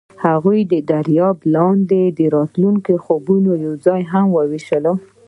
هغوی د دریاب لاندې د راتلونکي خوبونه یوځای هم وویشل.